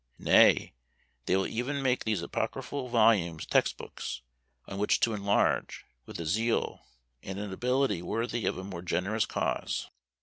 Nay, they will even make these apocryphal volumes text books, on which to enlarge, with a zeal and an ability worthy of a more generous cause.